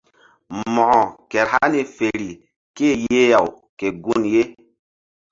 Mo̧ko kehr hani fer ké-e yeh-aw ke gun ye.